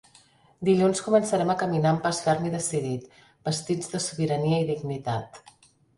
Dilluns començarem a caminar amb pas ferm i decidit, vestits de sobirania i dignitat.